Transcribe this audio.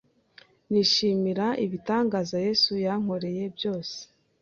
Nishimira ibitangaza Yesu yankoreye byose